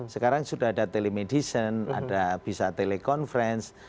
sekarang sudah ada telemedicine ada bisa telekonferensi